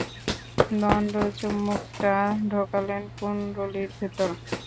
দণ্ড চুম্বকটা ঢোকালেন কুণ্ডলীর ভেতর।